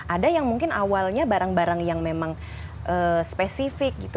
ada yang mungkin awalnya barang barang yang memang spesifik gitu